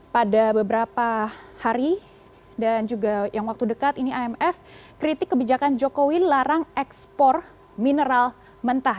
pada beberapa hari dan juga yang waktu dekat ini imf kritik kebijakan jokowi larang ekspor mineral mentah